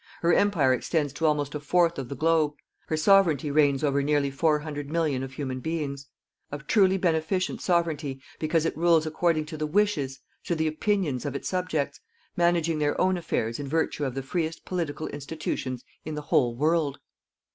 Her Empire extends to almost a fourth of the globe. Her Sovereignty reigns over nearly four hundred million of human beings; a truly beneficient Sovereignty, because it rules according to the wishes, to the opinions of its subjects, managing their own affairs in virtue of the freest political institutions in the whole world.